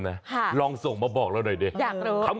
ค่ะรองส่งมาบอกเราหน่อยด้วยอยากรู้